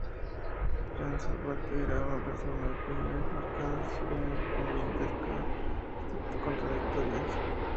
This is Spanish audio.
Joan Salvat era una persona de opiniones marcadas, si bien cambiantes y hasta contradictorias.